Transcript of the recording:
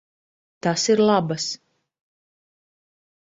Tas ir labas.